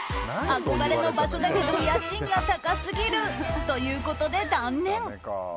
憧れの場所だけど家賃が高すぎる。ということで、断念。